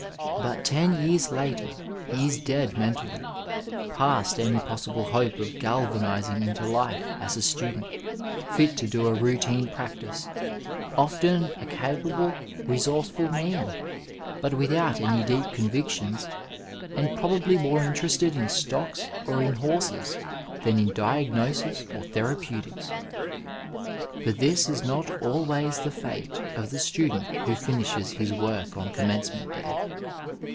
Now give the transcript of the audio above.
Bat ton years later he is dead mentally, past any possible hope of galvaniang into life as a student, fit to do a routine practice, often a capable, resourceful man, but without any deep convictions, and probably more interested in stocks or in horses than in diagnosis or therapeutics. But this is not always the fate of the student who finishes his work on Commencement Day.